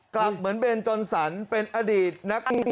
กลับเหมือนเบนจนสันเป็นอดีตนัก